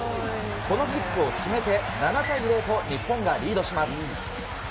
このキックを決めて、７対０と日本がリードします。